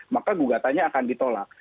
maka gugatannya akan ditolak